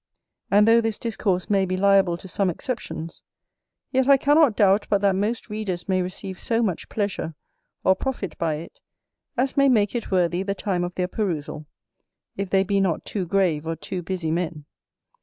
And though this Discourse may be liable to some exceptions, yet I cannot doubt but that most Readers may receive so much pleasure or profit by it, as may make it worthy the time of their perusal, if they be not too grave or too busy men.